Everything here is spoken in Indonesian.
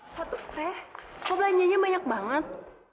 satu teh kok belanjanya banyak banget